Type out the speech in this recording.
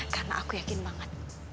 karena aku yakin banget